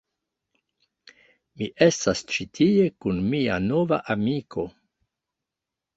Mi estas ĉi tie kun mia nova amiko